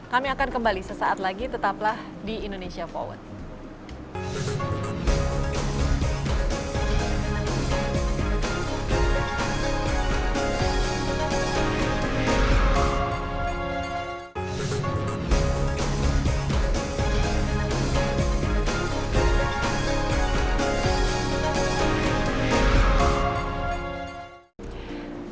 kami akan kembali sesaat lagi tetaplah di indonesia forward